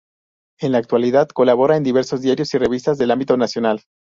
En la actualidad colabora en diversos diarios y revistas de ámbito nacional.